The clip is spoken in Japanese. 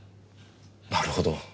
なるほど。